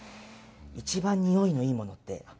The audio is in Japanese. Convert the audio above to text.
一番においのいいものって。